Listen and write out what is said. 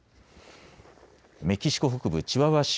メキシコ北部チワワ州